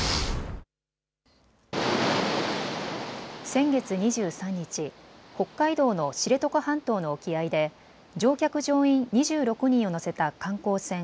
先月２３日、北海道の知床半島の沖合で乗客・乗員２６人を乗せた観光船